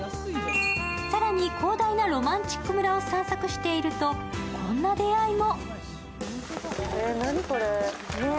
更に広大なろまんちっく村を散策していると、こんな出会いも。